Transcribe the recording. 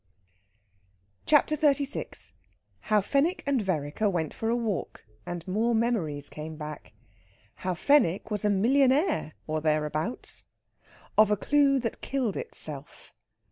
CHAPTER XXXVI HOW FENWICK AND VEREKER WENT FOR A WALK, AND MORE MEMORIES CAME BACK. HOW FENWICK WAS A MILLIONAIRE, OR THEREABOUTS. OF A CLUE THAT KILLED ITSELF.